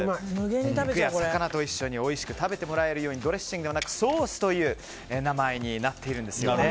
肉や魚と一緒においしく食べてもらえるようにドレッシングではなくソースという名前になっているんですよね。